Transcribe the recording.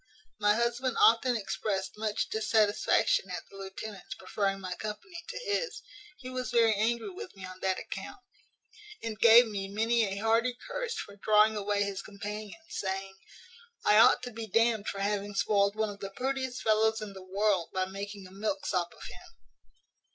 My husband often expressed much dissatisfaction at the lieutenant's preferring my company to his; he was very angry with me on that account, and gave me many a hearty curse for drawing away his companions; saying, `I ought to be d n'd for having spoiled one of the prettiest fellows in the world, by making a milksop of him.'